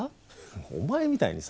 お前みたいにさ